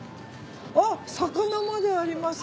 あっ魚まであります。